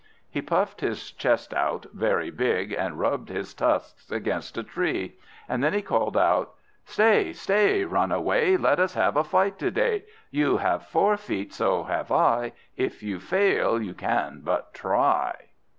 He puffed his chest out very big, and rubbed his tusks against a tree, then he called out: "Stay, stay, runaway! Let us have a fight to day! You have four feet, so have I! If you fail, you can but try!"